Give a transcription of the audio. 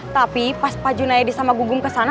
tapi pas pak junaedi sama gugum kesana